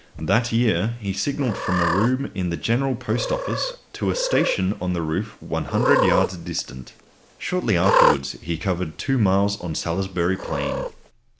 That year he signalled from a room in the General Post Office to a station on the roof 100 yards distant. Shortly afterwards he covered 2 miles on Salisbury Plain.